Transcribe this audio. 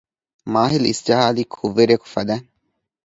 މާހިލް އިސްޖަހާލީ ކުށްވެރިއަކު ފަދައިން